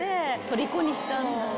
とりこにしたんだ。